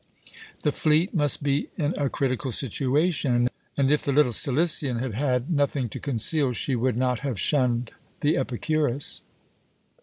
The fleet must be in a critical situation, and if the little Cilician had had nothing to conceal she would not have shunned the Epicurus.